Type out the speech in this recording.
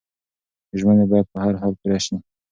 ژمنې باید په هر حال پوره شي.